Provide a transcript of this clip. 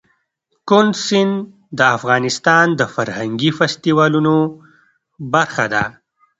کندز سیند د افغانستان د فرهنګي فستیوالونو برخه ده.